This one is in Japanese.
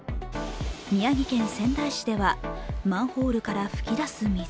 宮城県仙台市ではマンホールから噴き出す水。